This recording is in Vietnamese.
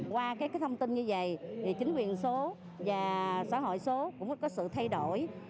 qua cái thông tin như vậy chính quyền số và xã hội số cũng có sự thay đổi